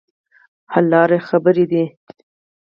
حل لاره خبرې دي.